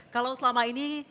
kalau selama ini